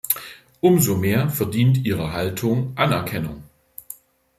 Umso mehr verdient Ihre Haltung Anerkennung.